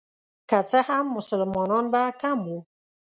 که څه هم مسلمانان به کم وو.